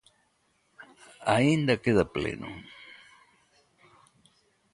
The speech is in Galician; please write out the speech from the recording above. Aínda queda pleno.